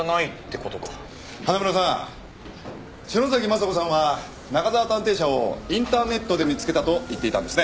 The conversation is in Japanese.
花村さん篠崎昌子さんは中沢探偵社をインターネットで見付けたと言っていたんですね？